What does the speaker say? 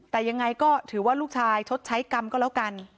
แต่ยังไงก็ถือว่าลูกชายชดใช้กรรมก็แล้วกัน